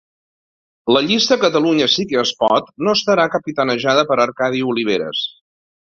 La llista Catalunya Sí que es Pot no estarà capitanejada per Arcadi Oliveres